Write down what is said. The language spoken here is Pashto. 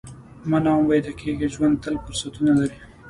مه نا امیده کېږه، ژوند تل فرصتونه لري.